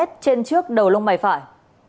trên trước đầu lông mày phải